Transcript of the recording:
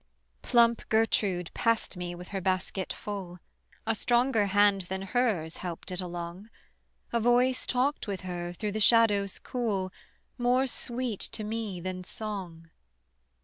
Plump Gertrude passed me with her basket full, A stronger hand than hers helped it along; A voice talked with her through the shadows cool More sweet to me than song.